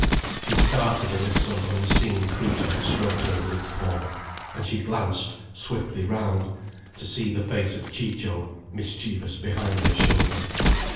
She started as if some unseen creature had stroked her with its paw, and she glanced swiftly round, to see the face of Ciccio mischievous behind her shoulder.